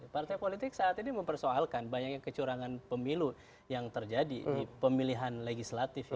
partai politik saat ini mempersoalkan banyaknya kecurangan pemilu yang terjadi di pemilihan legislatif